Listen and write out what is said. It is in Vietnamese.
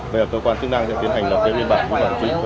bây giờ cơ quan chức năng sẽ tiến hành lập kế nguyên bản lưu bản chính